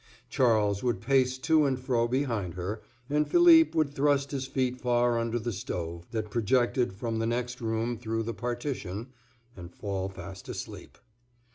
Charles would pace to and fro behind her, and Philippe would thrust his feet far under the stove, that projected from the next room through the partition, and fall fast asleep.